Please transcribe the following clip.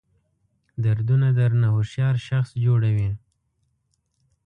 دردونه درنه هوښیار شخص جوړوي.